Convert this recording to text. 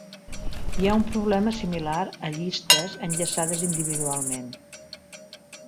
Hi ha un problema similar a llistes enllaçades individualment.